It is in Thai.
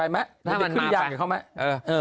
หน้าวันนี้เข้าไหม